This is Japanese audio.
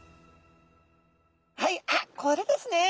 はいあっこれですね。